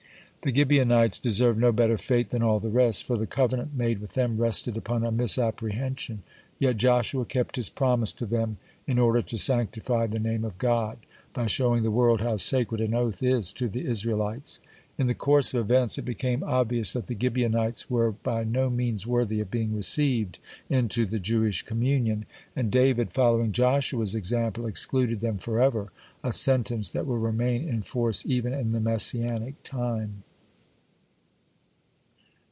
(34) The Gibeonites deserved no better fate than all the rest, for the covenant made with them rested upon a misapprehension, yet Joshua kept his promise to them, in order to sanctify the name of God, by showing the world how sacred an oath is to the Israelites. (35) In the course of events it became obvious that the Gibeonites were by no means worthy of being received into the Jewish communion, and David, following Joshua's example, excluded them forever, a sentence that will remain in force even in the Messianic time.